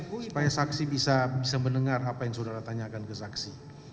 supaya saksi bisa mendengar apa yang saudara tanyakan ke saksi